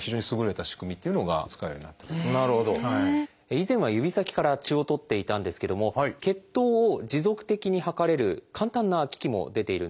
以前は指先から血を採っていたんですけども血糖を持続的に測れる簡単な機器も出ているんです。